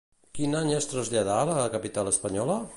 Quin any es traslladà a la capital espanyola?